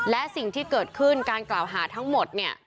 และสิ่งที่เกิดขึ้นการกล่าวหาทั้งหมดเนี่ย